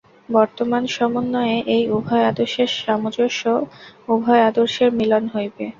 বর্তমান সমন্বয়ে এই উভয় আদর্শের সামঞ্জস্য, উভয় আদর্শের মিলন হইবে।